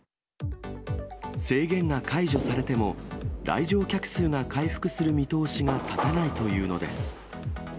制限が解除されても、来場客数が回復する見通しが立たないというのです。